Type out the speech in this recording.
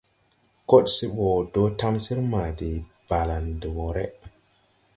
Kod se ɓo do tamsir ma de balaʼ de woʼré.